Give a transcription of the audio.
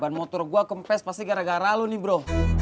ban motor gue kempes pasti gara gara ralu nih bro